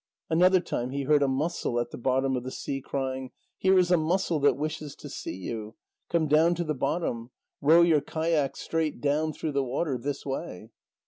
Another time he heard a mussel at the bottom of the sea crying: "Here is a mussel that wishes to see you; come down to the bottom; row your kayak straight down through the water this way!"